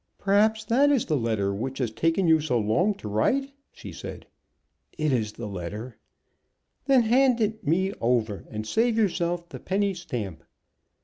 "Perhaps that is the letter which has taken you so long to write?" she said. "It is the letter." "Then hand it me over, and save yourself the penny stamp."